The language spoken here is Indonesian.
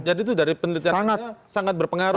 jadi itu dari pendidikannya sangat berpengaruh